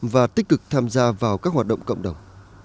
và tích cực tham gia vào các hoạt động cộng đồng